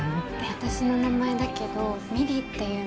私の名前だけど、美璃っていうの。